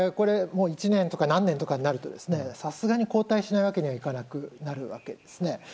１年とか何年とかになるとさすがに後退しないわけにはいかなくなるんですね。